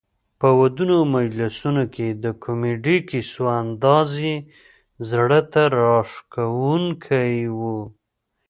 په ودونو او مجلسونو کې د کمیډي کیسو انداز یې زړه ته راښکوونکی وو.